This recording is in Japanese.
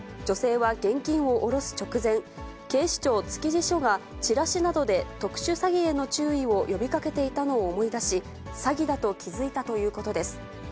女性は現金を下ろす直前、警視庁築地署がチラシなどで特殊詐欺への注意を呼びかけていたのを思い出し、詐欺だと気付いたということです。